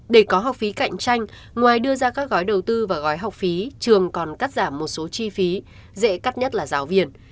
để có học phí cạnh tranh ngoài đưa ra các gói đầu tư và gói học phí trường còn cắt giảm một số chi phí dễ cắt nhất là giáo viên